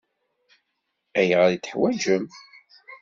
Ayɣer i t-teḥwaǧem?